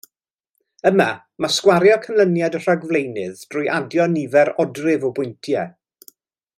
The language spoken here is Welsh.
Yma, mae sgwario canlyniad y rhagflaenydd drwy adio nifer odrif o bwyntiau.